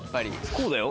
こうだよ。